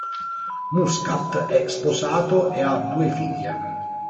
Muscat è sposato e ha due figlie.